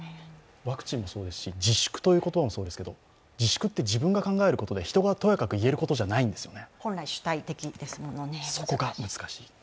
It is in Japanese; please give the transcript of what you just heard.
ワクチンもそうですし自粛という言葉もそうですけど自粛って自分が考えることで、人がとやかく言えることじゃないですよね。